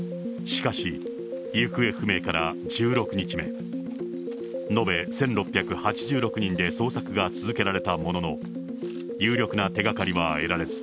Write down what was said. しかし、行方不明から１６日目、延べ１６８６人で捜索が続けられたものの、有力な手がかりは得られず、